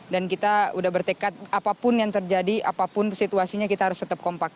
dan kita udah bertekad apapun yang terjadi apapun situasinya kita harus tetap kompak